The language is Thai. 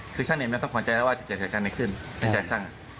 คือฉะนั้นเองต้องสังหวัญใจแล้วว่าจะเกี่ยวกันได้ขึ้นในใจสร้าง